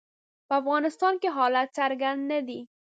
په افغانستان کې حالات څرګند نه دي.